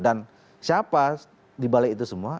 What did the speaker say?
dan siapa dibalik itu semua